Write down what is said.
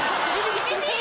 厳しい！